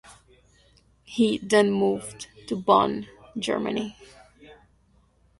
He then moved to Bonn, Germany.